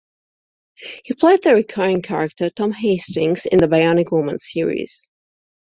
He played the recurring character Tom Hastings in the "Bionic Woman" series.